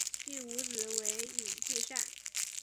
第五子为尹继善。